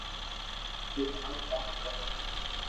تو ھڻاو ڪاوُ ڪارو